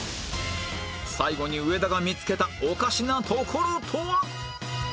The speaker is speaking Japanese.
最後に上田が見つけたおかしなところとは？